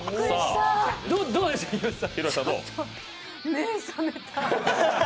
目、覚めた。